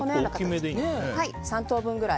３等分くらい。